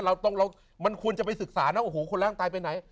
โอ้โหเราเห็นแล้วมันควรจะไปศึกษานะโอ้โหคนล้างไตไปไหน